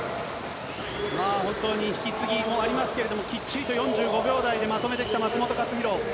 本当に引き継ぎもありますけれども、きっちりと４５秒台でまとめてきた松元克央。